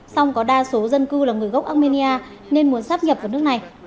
song có đa số dân cư là người gốc armenia nên muốn sắp nhập vào nước này